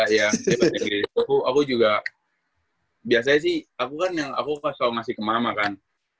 iya iya aku juga biasanya sih aku kan yang aku pas kalau masih kemama kan